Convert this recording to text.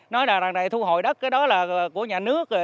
nói là này thu hồi đất cái đó là của nhà nước